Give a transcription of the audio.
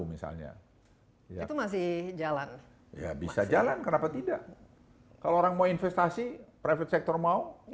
misalnya itu masih jalan ya bisa jalan kenapa tidak kalau orang mau investasi private sector mau